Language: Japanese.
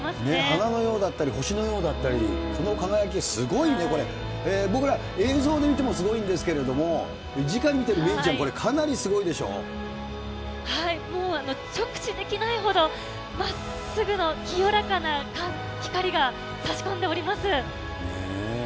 花のようだったり星のようだったり、その輝きすごいね、僕ら、映像で見てもすごいんですけれども、じかに見てる芽生ちゃもう直視できないほど、まっすぐの清らかな光がさし込んでおります。